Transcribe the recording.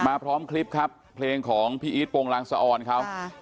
มาพร้อมคลิปครับเพลงของพีอีสปงรังสอรครับ